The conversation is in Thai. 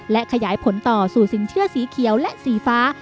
และขยายผลต่อสู่สินเชื่อสีเขียวและสีฟ้า